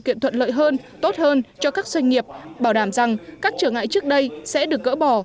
kiện thuận lợi hơn tốt hơn cho các doanh nghiệp bảo đảm rằng các trở ngại trước đây sẽ được gỡ bỏ